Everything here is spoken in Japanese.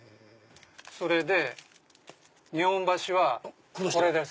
それで日本橋はこれです。